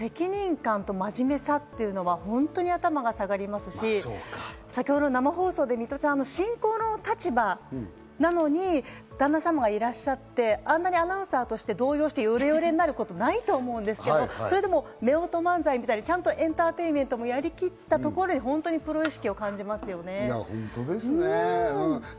やっぱりそこをちゃんと２年間守りきった、その責任感と真面目さっていうのはホントに頭が下がりますし、先ほど生放送でミトちゃんが進行の立場なのに、旦那様がいらっしゃって、あんなにアナウンサーとして動揺してヨレヨレになることないと思うんですけど、それでも夫婦漫才みたいにエンターテインメントとしてできたところに本当にプロ意識を感じますよね。